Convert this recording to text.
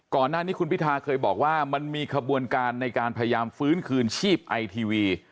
ก่อนหน้านี้คุณพิทาเคยบอกว่ามันมีขบวนการในการพยายามฟื้นคืนชีพไอทีวี